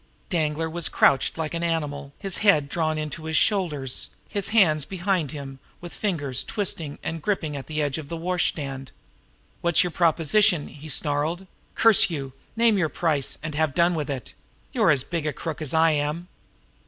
Danglar was like a crouched animal, his head drawn into his shoulders, his hands behind him with fingers twisting and gripping at the edge of the washstand. "What's your proposition?" he snarled. "Curse you, name your price, and have done with it! You're as big a crook as I am!"